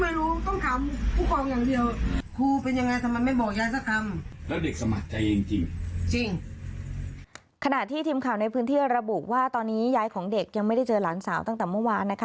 แล้วเด็กสมัครใจเองจริงจริงขณะที่ทีมข่าวในพื้นที่ระบุว่าตอนนี้ย้ายของเด็กยังไม่ได้เจอหลานสาวตั้งแต่เมื่อวานนะคะ